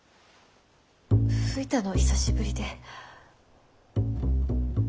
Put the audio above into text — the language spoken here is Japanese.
吹いたの久しぶりで。